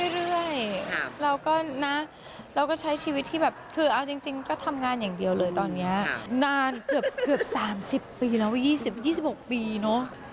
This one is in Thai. เรื่อยเราก็นะเราก็ใช้ชีวิตที่แบบคือเอาจริงก็ทำงานอย่างเดียวเลยตอนนี้นานเกือบ๓๐ปีแล้ว๒๖ปีเนอะ